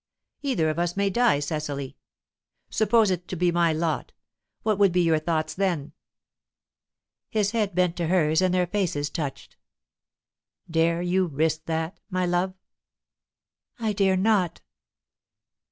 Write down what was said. Either of us may die, Cecily. Suppose it to be my lot, what would be your thoughts then?" His head bent to hers, and their faces touched. "Dare you risk that, my love?" "I dare not."